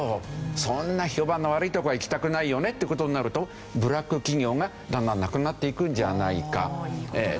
そんな評判の悪いとこは行きたくないよねっていう事になるとブラック企業がだんだんなくなっていくんじゃないかとかですね。